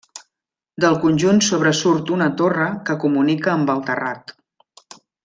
Del conjunt sobresurt una torre que comunica amb el terrat.